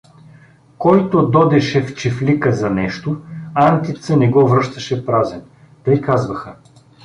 „Който додеше в чифлика за нещо, Антица не го връщаше празен“ — тъй казваха.